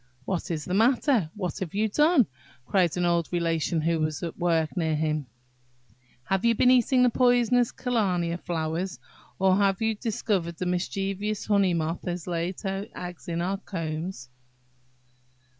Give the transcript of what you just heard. "What is the matter? what have you done?" cried an old Relation who was at work near him; "have you been eating the poisonous kalmia flowers, or have you discovered that the mischievous honey moth has laid her eggs in our combs?"